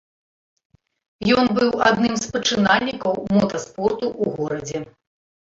Ён быў адным з пачынальнікаў мотаспорту ў горадзе.